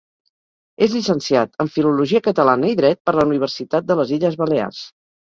És llicenciat en Filologia Catalana i Dret per la Universitat de les Illes Balears.